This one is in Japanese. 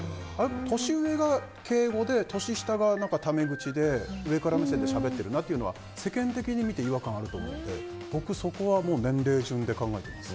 年上が敬語で年下がタメ口で上から目線でしゃべってるなっていうのは世間的に見て違和感あると思ってそこは年齢順で考えてます。